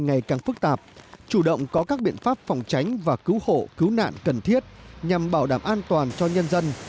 ngày càng phức tạp chủ động có các biện pháp phòng tránh và cứu hộ cứu nạn cần thiết nhằm bảo đảm an toàn cho nhân dân